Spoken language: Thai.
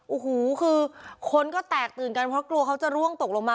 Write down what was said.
โอ้โหคือคนก็แตกตื่นกันเพราะกลัวเขาจะร่วงตกลงมา